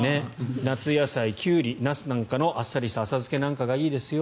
夏野菜キュウリ、ナスなんかのあっさりした浅漬けがいいですよ。